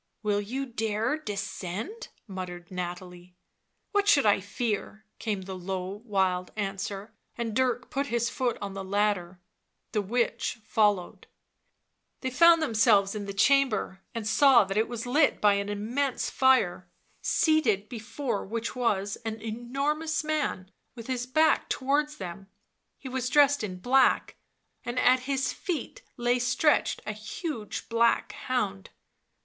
" Will you dare descend?" muttered Nathalie. " What should I fear V came the low, wild answer, and Dirk put his foot on the ladder ... the witch followed ... they found themselves in the chamber, and saw that it was lit by an immense fire, seated before which was an enormous man, with his back towards them; he was dressed in black, and at his feet lay stretched a huge black hound.